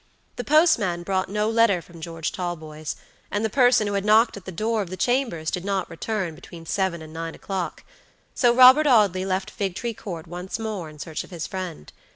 The postman brought no letter from George Talboys, and the person who had knocked at the door of the chambers did not return between seven and nine o'clock, so Robert Audley left Figtree Court once more in search of his friend.